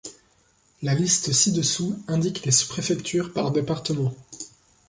La liste ci-dessous indique les sous-préfectures par département.